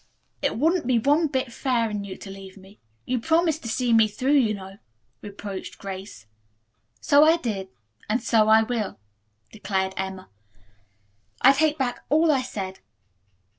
"It wouldn't be one bit fair in you to leave me. You promised to see me through, you know," reproached Grace. "So I did, and so I will," declared Emma, "I take back all I said.